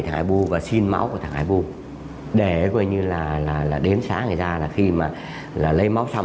hải buu và xin máu của thằng hải buu để coi như là là đến sáng ngày ra là khi mà là lấy máu xong